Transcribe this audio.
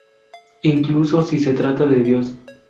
Incluso si se trata de Dios.